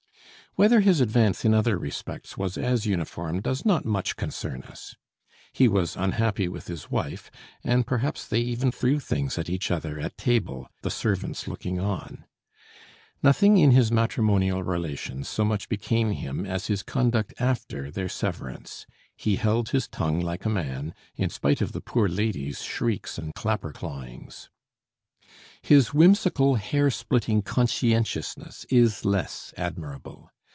Whether his advance in other respects was as uniform does not much concern us. He was unhappy with his wife, and perhaps they even threw things at each other at table, the servants looking on. Nothing in his matrimonial relations so much became him as his conduct after their severance: he held his tongue like a man, in spite of the poor lady's shrieks and clapper clawings. His whimsical, hair splitting conscientiousness is less admirable.